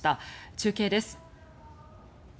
中継です。